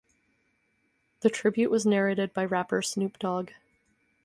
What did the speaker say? The tribute was narrated by rapper Snoop Dogg.